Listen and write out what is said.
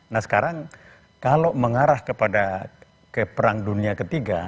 nah sekarang kalau mengarah kepada ke perang dunia ketiga